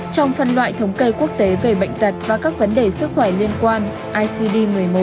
trong phần loại thống kê quốc tế về bệnh tật và các vấn đề sức khỏe liên quan icd một mươi một